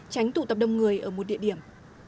tránh tụ tập đông người ở một địa điểm